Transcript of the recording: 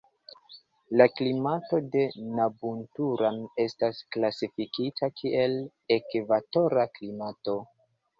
La klimato de Nabunturan estas klasifikita kiel ekvatora klimato.